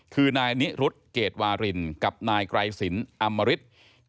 คือนายนิรุษร์เกรดวารินกับนายไกรศิลป์อำมริษฐ์